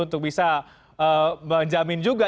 untuk bisa menjamin juga